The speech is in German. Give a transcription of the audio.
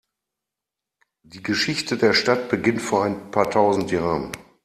Die Geschichte der Stadt beginnt vor ein paar tausend Jahren.